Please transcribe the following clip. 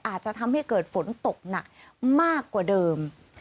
อาจจะทำให้เกิดฝนตกหนักมากกว่าเดิม